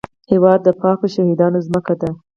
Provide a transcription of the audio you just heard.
هېواد د پاکو شهیدانو ځمکه ده